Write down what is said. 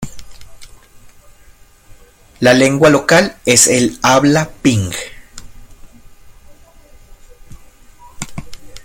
La lengua local es el habla ping.